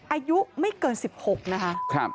อายุไม่เกิน๑๖นะคะ